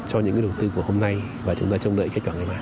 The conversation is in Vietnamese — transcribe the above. cho những cái đầu tư của hôm nay và chúng ta chung đợi kết quả ngày mai